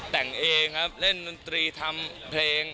แต่งเองครับเล่นดนตรีทำเพลง